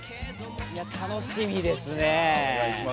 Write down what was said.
楽しみですね。